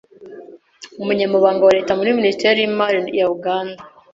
umunyamabanga wa leta muri minisiteri y'imari ya Uganda,